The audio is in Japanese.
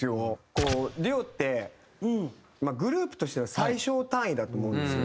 こうデュオってグループとしての最小単位だと思うんですよね。